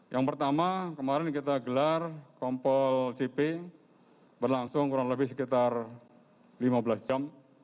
yang pertama kemarin kita gelar kompol cp berlangsung kurang lebih sekitar lima belas jam